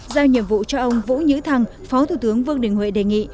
giao nhiệm vụ cho ông vũ nhữ thăng phó thủ tướng vương đình huệ đề nghị